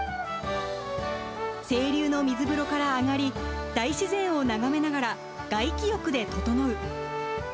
清流の水風呂から上がり、大自然を眺めながら外気浴でととのう。